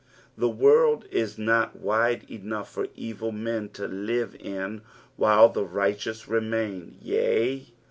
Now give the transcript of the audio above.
The world is not wide enough for evil men to live in while the righteous remain, yes.